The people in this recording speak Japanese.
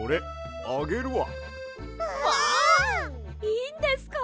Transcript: いいんですか！？